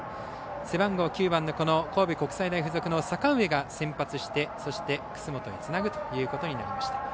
背番号９番の神戸国際大付属の阪上が先発して、そして楠本へつなぐということになりました。